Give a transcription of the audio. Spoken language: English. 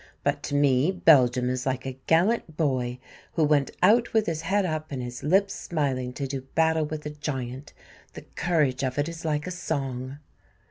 But to me Belgium is like a gallant boy who went out with his head up and his lips smiling to do battle with a giant. The courage of it is like a song!"